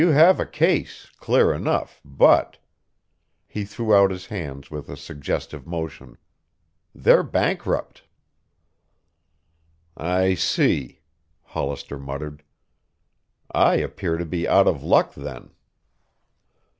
You have a case, clear enough, but " he threw out his hands with a suggestive motion "they're bankrupt." "I see," Hollister muttered. "I appear to be out of luck, then."